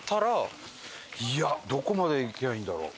どこまで行けばいいんだろう？